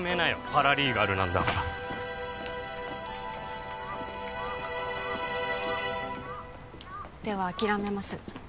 パラリーガルなんだからでは諦めます